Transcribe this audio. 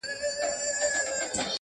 ستا پسرلي ته به شعرونه جوړ کړم،